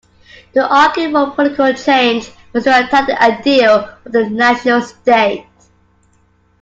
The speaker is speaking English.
To argue for political change was to attack the Ideal of the national state.